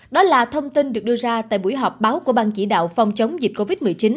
đó là thông tin được đưa ra tại buổi họp báo của ban chỉ đạo phòng chống dịch covid một mươi chín